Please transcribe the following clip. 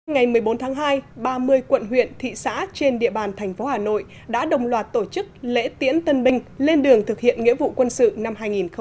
ngày một mươi bốn tháng hai ba mươi quận huyện thị xã trên địa bàn thành phố hà nội đã đồng loạt tổ chức lễ tiễn tân binh lên đường thực hiện nghĩa vụ quân sự năm hai nghìn hai mươi